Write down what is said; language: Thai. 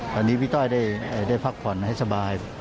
ตอนนี้พี่ต้อยได้พักผ่อนให้สบาย